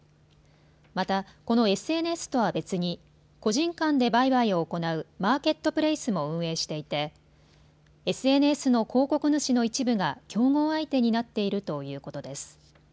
また、このＳＮＳとは別に個人間で売買を行うマーケットプレイスも運営していてＳＮＳの広告主の一部が競合相手になっているということです。